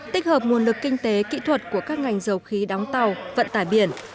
tích hợp nguồn lực kinh tế kỹ thuật của các ngành dầu khí đóng tàu vận tải biển